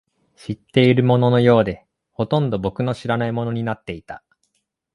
知っているもののようで、ほとんどが僕の知らないものになっていた